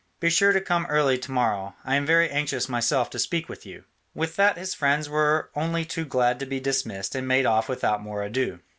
Be sure to come early to morrow. I am very anxious myself to speak with you." With that his friends were only too glad to be dismissed, and made off without more ado.